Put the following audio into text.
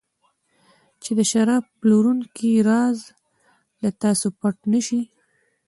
چې د شراب پلورونکي راز له تاسو پټ نه شي.